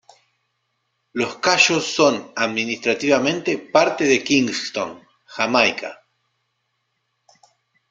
Los Cayos son administrativamente parte de Kingston, Jamaica.